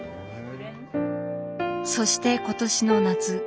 そして今年の夏。